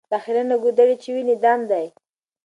دا خیرنه ګودړۍ چي وینې دام دی